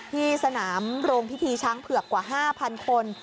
ที่สนามโรงพิธีช้างเผือกกว่า๕๐๐คน